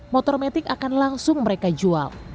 motor metik akan langsung mereka jual